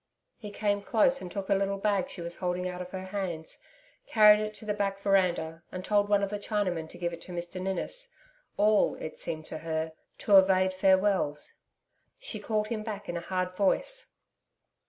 He came close, and took a little bag she was holding out of her hands, carried it to the back veranda, and told one of the Chinamen to give it to Mr Ninnis all, it seemed to her, to evade farewells. She called him back in a hard voice.